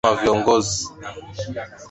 ambapo atahudhuria mkutano wa viongozi